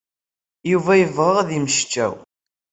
Yuba yebɣa ad yemmecčaw.